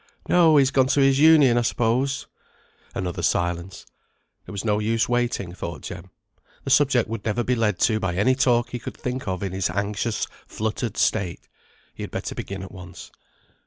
"No, he's gone to his Union, I suppose." Another silence. It was no use waiting, thought Jem. The subject would never be led to by any talk he could think of in his anxious fluttered state. He had better begin at once.